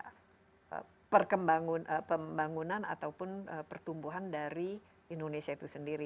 kita juga tergantung juga pada pembangunan ataupun pertumbuhan dari indonesia itu sendiri